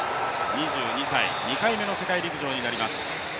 ２２歳、２回目の世界陸上になります。